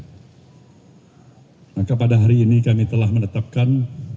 maka pada hari ini kami telah menetapkan